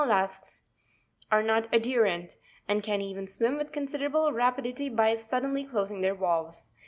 lusks are not adherent, and can even apa € swim with considerable rapidity by Re suddenly closing their valves.